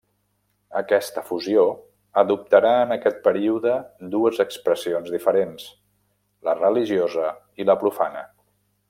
Aquesta fusió adoptarà en aquest període dues expressions diferents: la religiosa i la profana.